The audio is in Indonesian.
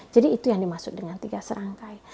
jadi itu yang dimaksud dengan tiga serangkai